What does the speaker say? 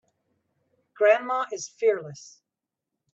Grandma is fearless.